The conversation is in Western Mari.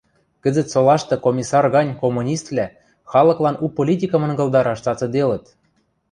Кӹзӹт солашты Комиссар гань коммуниствлӓ халыклан у политикӹм ынгылдараш цацыделыт